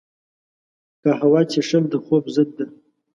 قهوه څښل د خوب ضد ده